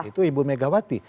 itu ibu megawati